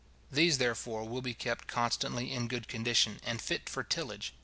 These, therefore, will be kept constantly in good condition, and fit for tillage.